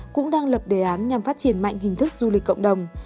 cũng đang lập đề án nhằm phát triển mạnh hình thức du lịch cộng đồng